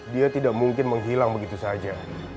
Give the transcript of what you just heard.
dia tidak mungkin menghilang begitu saja